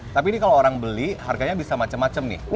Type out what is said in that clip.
tapi ini kalau orang beli harganya bisa macam macam nih